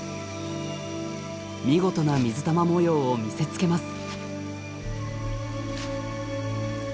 見事な水玉模様を見せつけます。